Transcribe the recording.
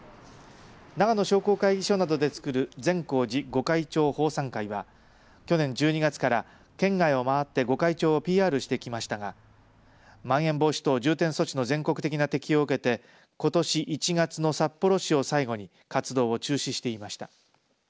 長野商工会議所などでつくる善光寺御開帳奉賛会は去年１２月から県外を回って御開帳ＰＲしてきましたがまん延防止等重点措置の全国的な適用を受けてことし１月の札幌市を最後に活動を中止していました。